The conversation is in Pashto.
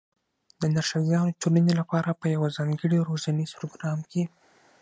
د نرښځیانو ټولنې لپاره په یوه ځانګړي روزنیز پروګرام کې